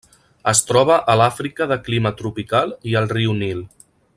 Es troba a l'Àfrica de clima tropical i al riu Nil.